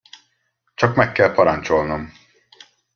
Csak meg kell parancsolnom!